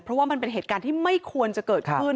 เพราะว่ามันเป็นเหตุการณ์ที่ไม่ควรจะเกิดขึ้น